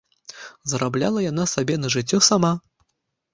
Зарабляла яна сабе на жыццё сама.